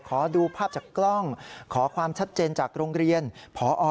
ขอดูภาพจากกล้องขอความชัดเจนจากโรงเรียนพอ